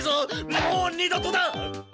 もう二度とだ！